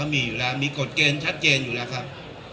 มีกฏเกณฑ์ชัดเจนอยู่แล้วครับ